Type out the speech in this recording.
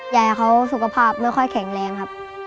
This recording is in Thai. ยายเขาสุขภาพไม่ค่อยแข็งแรงครับ